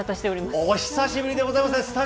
お久しぶりでございますね。